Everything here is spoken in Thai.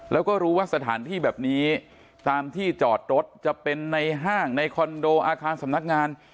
แล้วก็รู้ว่าสถานที่แบบนี้ตามที่จอดรถจะเป็นในห้างในคอนโดอาคารสำนักงาน